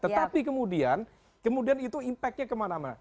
tetapi kemudian kemudian itu impactnya kemana mana